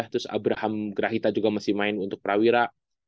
terus abraham grahita juga masih main untuk prawira